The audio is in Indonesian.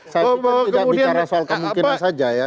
saya tidak bicara soal kemungkinan saja ya